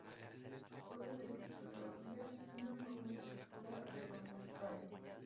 Usan la escritura oriya, una forma de escritura "devanagari".